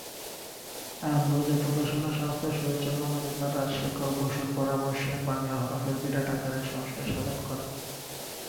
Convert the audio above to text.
আনন্দবাজার প্রকাশনা সংস্থার সুরেশচন্দ্র মজুমদার রাজশেখর বসুর পরামর্শে বাংলা হরফের বিরাট আকারের সংস্কার সাধন করেন।